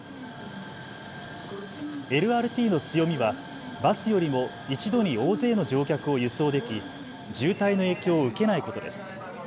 ＬＲＴの強みはバスよりも一度に大勢の乗客を輸送でき渋滞の影響を受けないことです。